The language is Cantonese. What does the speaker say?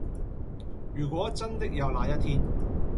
如果真的有那一天